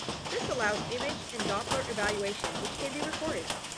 This allows image and Doppler evaluation which can be recorded.